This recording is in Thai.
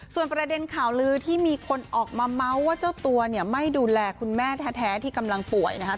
ส่วนประเด็นข่าวลือที่มีคนออกมาเมาส์ว่าเจ้าตัวเนี่ยไม่ดูแลคุณแม่แท้ที่กำลังป่วยนะคะ